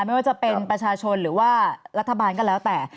ไม่ว่าจะเป็นประชาชนหรือว่ารัฐบาลก็แล้วแต่